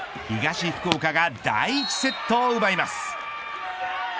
東福岡が第１セットを奪います。